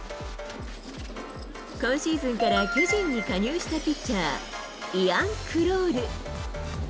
今シーズンから巨人に加入したピッチャー、イアン・クロール。